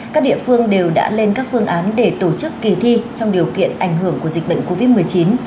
các địa phương đều đã lên các phương án để tổ chức kỳ thi trong điều kiện ảnh hưởng của dịch bệnh covid một mươi chín